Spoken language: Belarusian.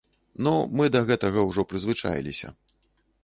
Ну, мы да гэтага ўжо прызвычаіліся.